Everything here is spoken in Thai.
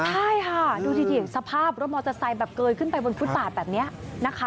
ใช่ค่ะดูสิสภาพรถมอเตอร์ไซค์แบบเกยขึ้นไปบนฟุตบาทแบบนี้นะคะ